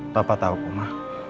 papa tau ma